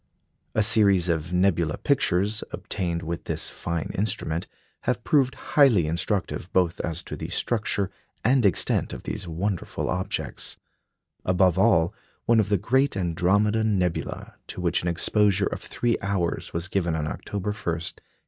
A series of nebula pictures, obtained with this fine instrument, have proved highly instructive both as to the structure and extent of these wonderful objects; above all, one of the great Andromeda nebula, to which an exposure of three hours was given on October 1, 1888.